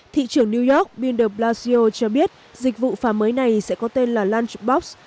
thị trưởng new york bill de blasio cho biết dịch vụ pha mới này sẽ có tên là lunchbox